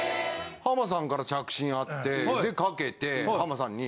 浜田さんから着信あってでかけて浜田さんに。